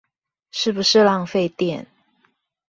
是不是浪費電